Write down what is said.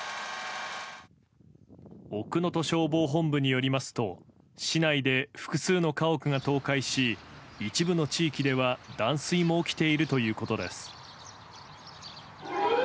奥能登消防本部によりますと市内で複数の家屋が倒壊し一部の地域では断水も起きているということです。